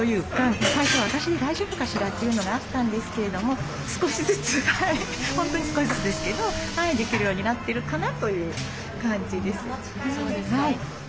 最初私大丈夫かしらというのがあったんですけれども少しずつ本当に少しずつですけどできるようになってるかなという感じです。